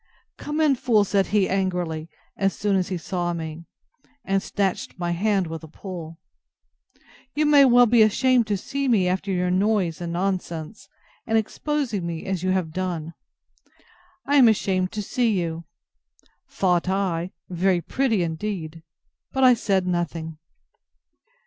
Come in, fool, said he, angrily, as soon as he saw me; (and snatched my hand with a pull;) you may well be ashamed to see me, after your noise and nonsense, and exposing me as you have done. I ashamed to see you! thought I: Very pretty indeed!—But I said nothing.